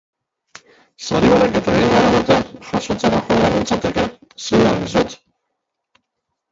Sari banaketa egingo balute, jasotzera joango nintzateke, zin dagizut.